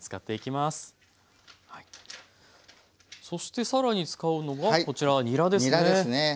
そして更に使うのがこちらにらですね。